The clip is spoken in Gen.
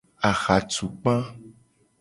Ahatukpa.